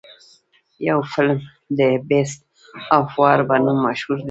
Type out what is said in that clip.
يو فلم The Beast of War په نوم مشهور دے.